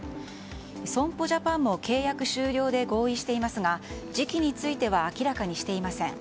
損保ジャパンも契約終了で合意していますが時期については明らかにしていません。